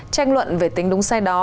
tranh luận về tính đúng sai đó